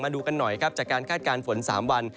ดูกันหน่อยครับจากการคาดการณ์ฝน๓วัน